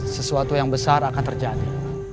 sesuatu yang besar akan terjadi